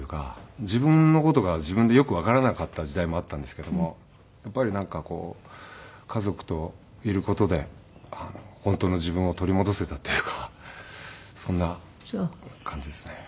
自分の事が自分でよくわからなかった時代もあったんですけどもやっぱりなんかこう家族といる事で本当の自分を取り戻せたっていうかそんな感じですね。